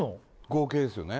合計ですよね